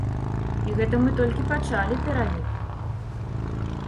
І гэта мы толькі пачалі пералік!